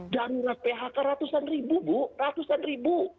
dan phk ratusan ribu bu ratusan ribu